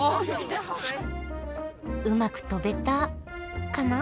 うまく飛べたカナ？